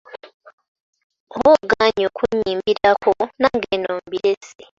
Oba ogaanyi okunnyimbirako nange nno mbirese.